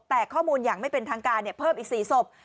แต่ข้อมูลอย่างไม่เป็นทางการเพิ่มอีก๔ศพ